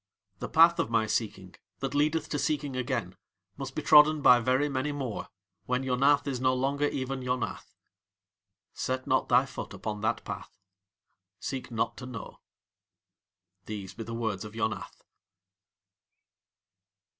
The path of my seeking, that leadeth to seeking again, must be trodden by very many more, when Yonath is no longer even Yonath. Set not thy foot upon that path. Seek not to know. These be the Words of Yonath.